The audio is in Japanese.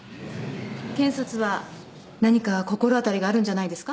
検察は何か心当たりがあるんじゃないですか。